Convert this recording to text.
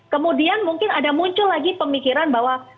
kemudian mungkin ada muncul lagi pemikiran bahwa